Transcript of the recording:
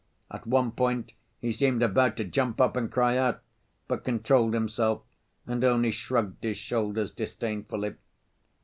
At one point he seemed about to jump up and cry out, but controlled himself and only shrugged his shoulders disdainfully.